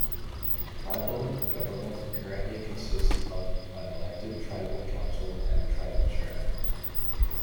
Tribal government currently consists of an elected tribal council and tribal chairman.